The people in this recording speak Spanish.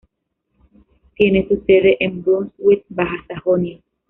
Tiene su sede en Brunswick, Baja Sajonia.